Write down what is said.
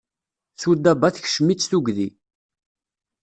Sudaba tekcem-itt tugdi.